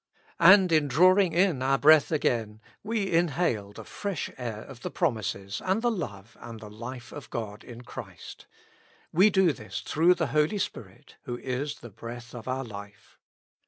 And in drawing in our breath again, we inhale the fresh air of the promises, and the love, and the life of God in Christ. We do this through the Holy Spirit, who is the breath of our life.